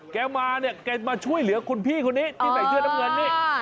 แกมาเนี่ยแกมาช่วยเหลือคุณพี่คนนี้ที่ใส่เสื้อน้ำเงินนี่